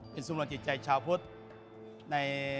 เป็นสมรวมจิตใจชาวพุทธ